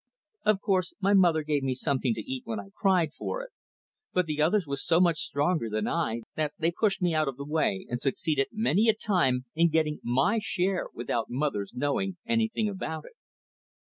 Of course, my mother gave me something to eat when I cried for it, but the others were so much stronger than I that they pushed me out of the way, and succeeded many a time in getting my share without mother's knowing anything about it.